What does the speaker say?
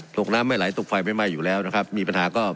น้ำไม่ไหลตกไฟไม่ไหม้อยู่แล้วนะครับมีปัญหาก็